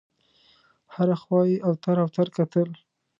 هره خوا یې اوتر اوتر کتل.